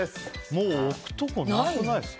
もう置くところなくないですか。